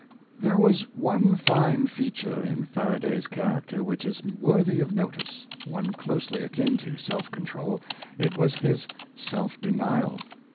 There was one fine feature in Faraday's character which is worthy of notice — one closely akin to self control : it was his self denial.